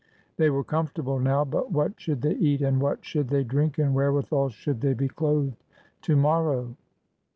They were comfortable now, but " what should they eat and what should they drink and wherewithal should they be clothed " to morrow